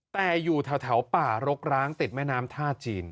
แต่อยู่แถวป่ารกร้างติดแม่น้ำท่าจีน